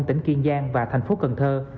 tỉnh kiên giang và thành phố cần thơ